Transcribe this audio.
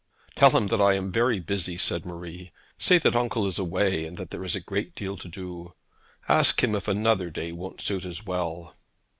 'Tell him that I am very busy,' said Marie. 'Say that uncle is away, and that there is a deal to do. Ask him if another day won't suit as well.'